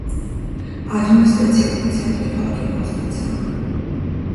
ადმინისტრაციული ცენტრი ქალაქი კონსტანცა.